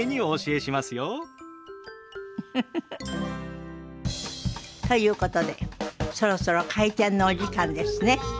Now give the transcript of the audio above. ウフフフ。ということでそろそろ開店のお時間ですね。